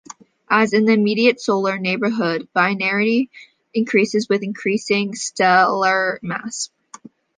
As in the immediate Solar neighborhood, binarity increases with increasing stellar mass.